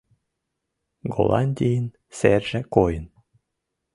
Голландийын серже койын.